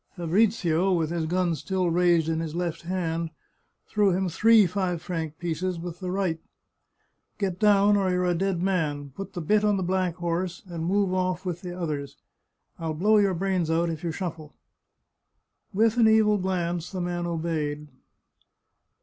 Fabrizio, with his gun still raised in his left hand, threw him three five franc pieces with the right. " Get down, or you're a dead man ! Put the bit on the black horse, and move ofif with the others. I'll blow your brains out if you shuffle !" With an evil glance the man obeyed.